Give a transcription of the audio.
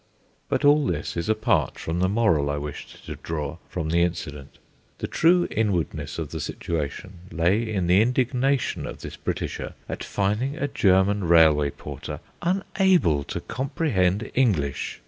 But all this is apart from the moral I wished to draw from the incident. The true inwardness of the situation lay in the indignation of this Britisher at finding a German railway porter unable to comprehend English.